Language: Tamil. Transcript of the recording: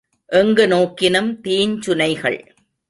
எங்கு நோக்கினும் தீஞ்சுனைகள்.